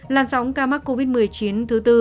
làn sóng ca mắc covid một mươi chín thứ tư